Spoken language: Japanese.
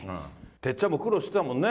てっちゃんも苦労してたもんね。